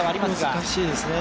難しいですね。